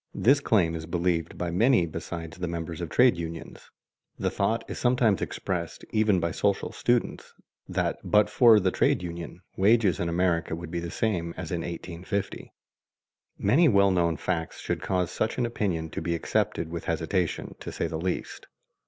This claim is believed by many besides the members of trade unions. The thought is sometimes expressed even by social students that but for the trade unions wages in America would be the same as in 1850. Many well known facts should cause such an opinion to be accepted with hesitation, to say the least.